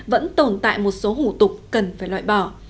vẫn tồn tại một số hủ tục cần phải loại bỏ